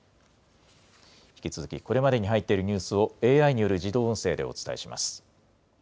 引き続き、これまでに入っているニュースを、ＡＩによる自動音声